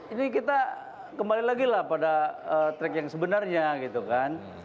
ini kita kembali lagi lah pada track yang sebenarnya gitu kan